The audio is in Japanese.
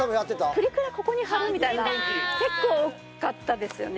プリクラここに貼るみたいな貼ってた結構多かったですよね